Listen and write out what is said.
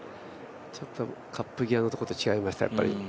ちょっとカップ際のところと違いました、やっぱり。